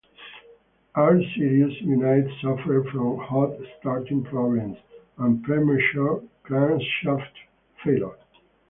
R-Series units suffered from hot starting problems and premature crankshaft failure.